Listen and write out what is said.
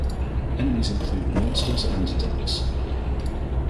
Enemies include monsters and ducks.